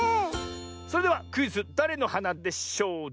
それではクイズ「だれのはなでショウ」